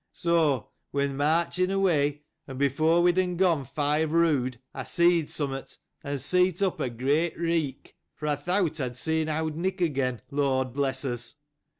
So, we were marching away, and before we had gone five rood, I saw some thing, and set up a great shriek, for I thought I had seen old Nick again. Lord bless us